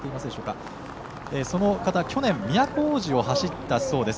その方、去年都大路を走ったそうです。